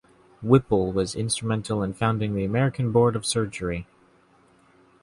Whipple was instrumental in founding the American Board of Surgery.